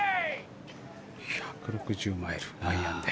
１６０マイルアイアンで。